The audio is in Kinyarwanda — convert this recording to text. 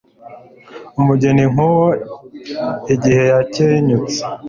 umugeni nk'uwo igihe yakenyutse